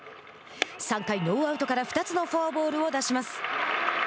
３回ノーアウトから２つのフォアボールを出します。